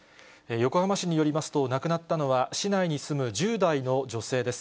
横浜市によりますと、亡くなったのは、市内に住む１０代の女性です。